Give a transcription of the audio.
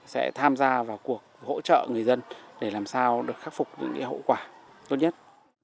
sẽ tham gia vào cuộc hỗ trợ người dân để làm sao được khắc phục những hậu quả tốt nhất